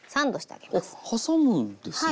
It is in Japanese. あっ挟むんですね。